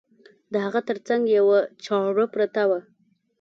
د هغه تر څنګ یوه چاړه پرته وه.